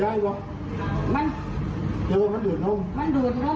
พระยายแกของเดี๋ยวมากก็ได้ก่อน